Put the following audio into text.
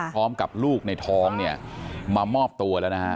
ซ้อมกับลูกในท้องมามอบตัวแล้ว